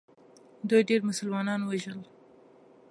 دوی ډېر مسلمانان ووژل.